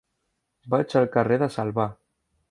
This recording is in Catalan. Vaig al carrer de Salvà.